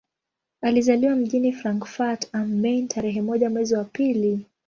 Alizaliwa mjini Frankfurt am Main tarehe moja mwezi wa pili